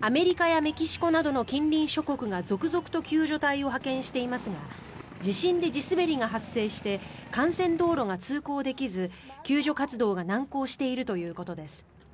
アメリカやメキシコなどの近隣諸国が続々と救助隊を派遣していますが地震で地滑りが発生して幹線道路が通行できず救助活動が難航しているということです。